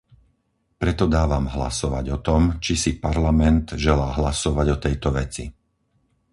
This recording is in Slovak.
Preto dávam hlasovať o tom, či si Parlament želá hlasovať o tejto veci.